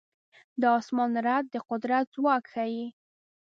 د اسمان رعد د قدرت ځواک ښيي.